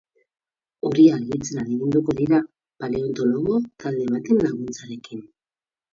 Hori argitzen ahaleginduko dira paleontologo talde baten laguntzarekin.